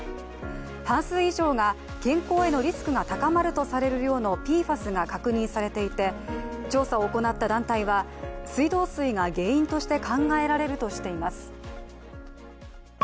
半数以上が健康へのリスクが高まるとされる量のＰＦＡＳが確認されていて調査を行った団体は水道水が原因として考えられるとしています。